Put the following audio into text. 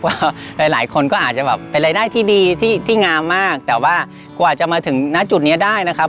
เพราะว่าหลายหลายคนก็อาจจะแบบเป็นรายได้ที่ดีที่ที่งามมากแต่ว่ากว่าจะมาถึงหน้าจุดนี้ได้นะครับ